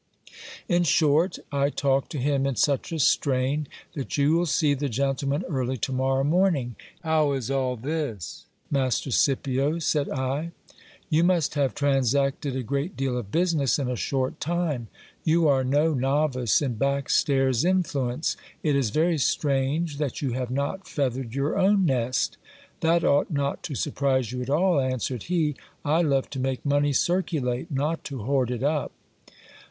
In short, I talked to him in such a strain, that you will see the gentleman early to morrow morning. How is all this, Master Scipio ? said I. You must have transacted a great deal of business in a short time. You are no novice in back stairs in fluence. It is very strange that you have not feathered your own nest. That ought not to surprise you at all, answered he. I love to make money circulate ; not to hoard it up.